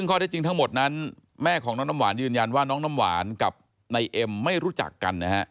ข้อได้จริงทั้งหมดนั้นแม่ของน้องน้ำหวานยืนยันว่าน้องน้ำหวานกับนายเอ็มไม่รู้จักกันนะฮะ